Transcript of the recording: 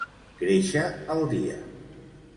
Créixer el dia.